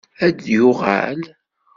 Ad d-yuɣal?